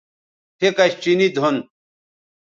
پھیکش چینی دُھن